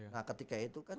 nah ketika itu kan